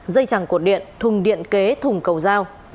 dây chẳng cột điện thùng điện kế thùng cầu giao